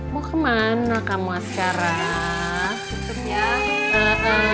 mau ke mana kamu sekarang